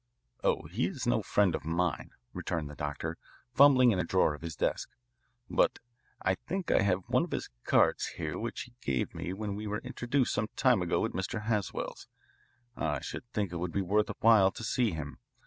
"Oh, he is no friend of mine," returned the doctor, fumbling in a drawer of his desk. "But I think I have one of his cards here which he gave me when we were introduced some time ago at Mr. Haswell's. I should think it would be worth while to see him.